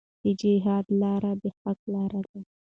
د جهاد لاره د حق لاره ده.